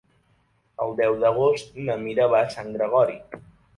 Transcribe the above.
El deu d'agost na Mira va a Sant Gregori.